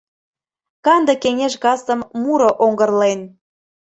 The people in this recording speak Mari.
Канде кеҥеж касым Муро оҥгырлен.